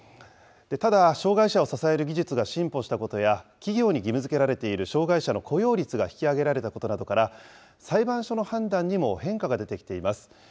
ただ、障害者を支える技術が進歩したことや、企業に義務づけられている障害者の雇用率が引き上げられたことなどから、裁判所の判断にも変化が出てきています。